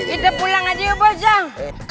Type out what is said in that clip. kita pulang aja ya bosan